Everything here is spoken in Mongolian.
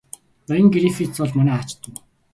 Ноён Грифитс бол манай ач дүү.